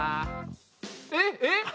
えっえっ！？